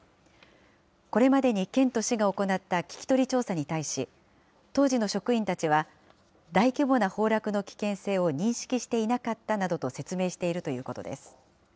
これまでに県と市が行った聞き取り調査に対し、当時の職員たちは、大規模な崩落の危険性を認識していなかったなどと説明しているということです。